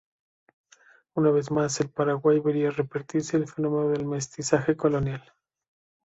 Una vez más el Paraguay vería repetirse el fenómeno del mestizaje colonial.